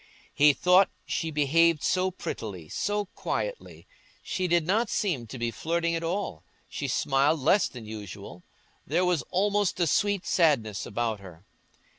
He thought she behaved so prettily, so quietly; she did not seem to be flirting at all, she smiled less than usual; there was almost a sweet sadness about her.